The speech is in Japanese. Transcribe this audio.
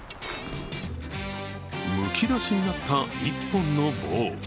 むき出しになった１本の棒。